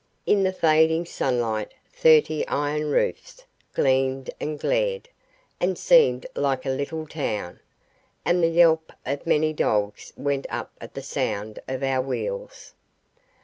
In the fading sunlight thirty iron roofs gleamed and glared, and seemed like a little town; and the yelp of many dogs went up at the sound of our wheels.